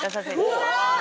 うわ！